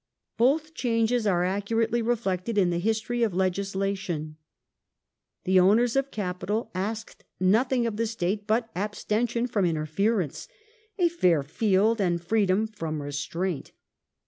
Both changes are accurately reflected in the history of legislation. The owners of capital asked nothing of the State but abstention from interference — a fair field and freedom from restraint.